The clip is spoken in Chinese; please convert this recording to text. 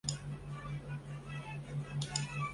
不会因此滑倒